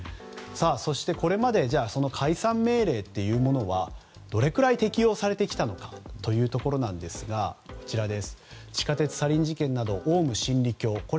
そして、これまで解散命令というものはどれくらい適用されてきたのかというところですが地下鉄サリン事件などオウム真理教。